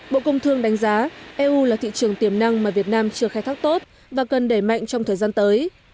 bộ công thương đánh giá eu là thị trường tiềm năng mà việt nam chưa khai thác tốt và cần đẩy mạnh trong thời gian tới